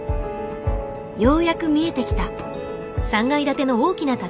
ようやく見えてきた。